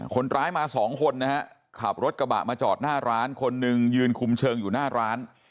คนร้ายมาสองคนนะฮะขับรถกระบะมาจอดหน้าร้านคนหนึ่งยืนคุมเชิงอยู่หน้าร้าน